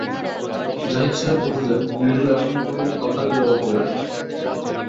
জাহিদ সাহেব বুঝলেন, নীলু এখন কোনো কথারই জবাব দেবে না।